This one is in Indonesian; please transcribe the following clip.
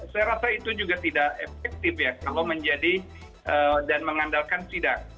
saya rasa itu juga tidak efektif ya kalau menjadi dan mengandalkan sidak